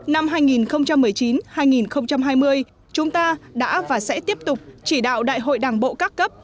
năm hai nghìn một mươi chín hai nghìn hai mươi chúng ta đã và sẽ tiếp tục chỉ đạo đại hội đảng bộ các cấp